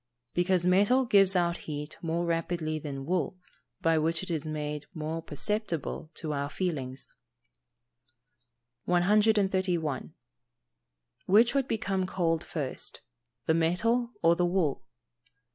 _ Because metal gives out heat more rapidly than wool, by which it is made more perceptible to our feelings. 131. _Which would become cold first the metal or the wool?